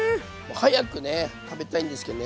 早くね食べたいんですけどね